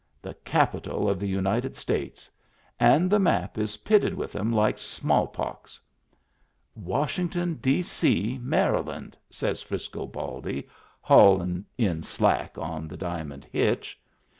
The capital of the United States. And the map is pitted with 'em like smallpox." "Washington, D.C., Maryland," says Frisco Baldy, haulin' in slack on the diamond hitch.